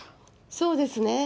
そうですね。